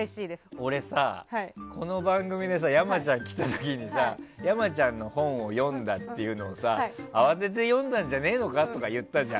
俺さ、この番組で山ちゃん来た時に山ちゃんの本を読んだというのをさ慌てて読んだんじゃねえのかとか言ったじゃん。